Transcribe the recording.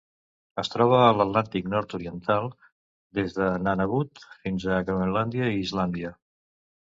Es troba a l'Atlàntic nord-oriental: des de Nunavut fins a Groenlàndia i Islàndia.